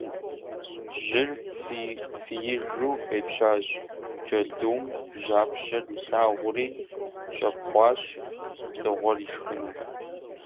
Жьыр фиижу къепщащ, джэдум жьапщэр илъагъури, щӀэпхъуащ, дзыгъуэр ишхыну.